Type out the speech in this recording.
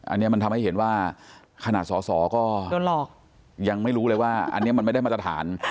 อันนี้มันทำให้เห็นว่าขนาดสอสอก็ยังไม่รู้เลยว่าอันนี้มันไม่ได้มาตรฐาน